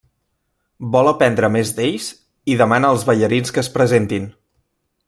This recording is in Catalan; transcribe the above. Vol aprendre més d'ells, i demana als ballarins que es presentin.